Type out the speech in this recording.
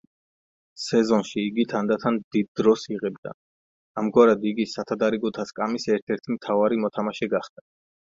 სეზონში იგი თანდათან დიდ დროს იღებდა; ამგვარად იგი სათადარიგოთა სკამის ერთ-ერთი მთავარი მოთამაშე გახდა.